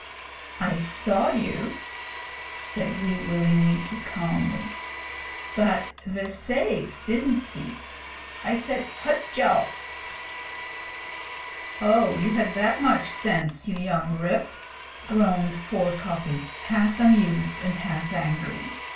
'I saw you,' said Wee Willie Winkie calmly. 'But ve sais didn't see. I said, "Hut jao!"' 'Oh, you had that much sense, you young Rip,' groaned poor Coppy, half amused and half angry.